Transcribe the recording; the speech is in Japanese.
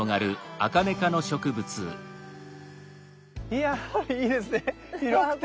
いやいいですね広くて。